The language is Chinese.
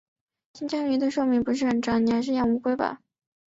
金鱼的寿命不是很长，你还是养乌龟吧。